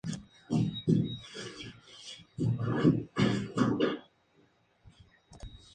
La segunda gran diferencia la da al reseñar las velocidades de registro.